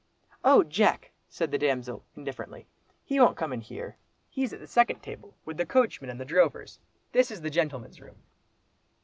"Oh! Jack!" said the damsel, indifferently; "he won't come in here, he's at the second table with the coachman and the drovers. This is the gentlemen's room."